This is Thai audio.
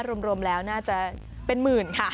รวมแล้วน่าจะเป็นหมื่นค่ะ